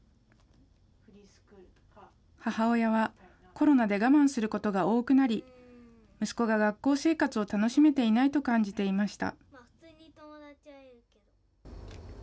母親は、コロナで我慢することが多くなり、息子が学校生活を楽しめていないと感じていました。